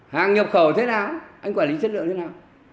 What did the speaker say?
hàng nhập khẩu thế nào anh quản lý chất lượng thế nào